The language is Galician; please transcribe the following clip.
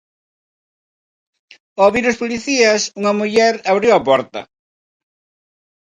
Ao vir os policías, unha muller abriu a porta.